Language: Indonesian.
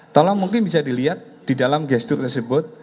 tolong mungkin bisa dilihat di dalam gestur tersebut